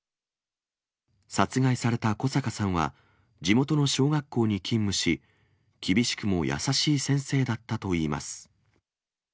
殺害された小阪さんは、地元の小学校に勤務し、厳しくも優しい先生だったといいます。